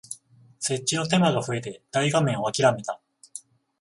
設置の手間が増えて大画面をあきらめた